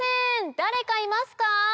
誰かいますか？